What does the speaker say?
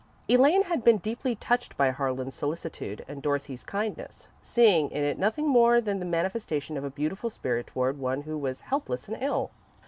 Elaine had been deeply touched by Harlan's solicitude and Dorothy's kindness, seeing in it nothing more than the manifestation of a beautiful spirit toward one who was helpless and ill.